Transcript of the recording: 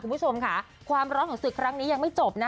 คุณผู้ชมค่ะความร้อนของศึกครั้งนี้ยังไม่จบนะ